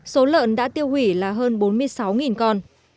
số lợn đã tiêu hủy là hơn bốn mươi sáu con